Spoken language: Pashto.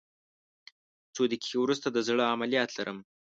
څو دقیقې وروسته د زړه عملیات لرم